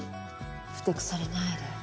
ふて腐れないで。